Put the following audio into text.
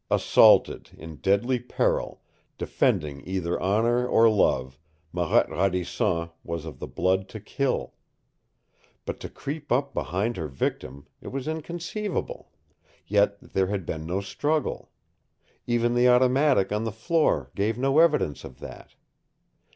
Assaulted, in deadly peril, defending either honor or love, Marette Radisson was of the blood to kill. But to creep up behind her victim it was inconceivable! Yet there had been no struggle. Even the automatic on the floor gave no evidence of that.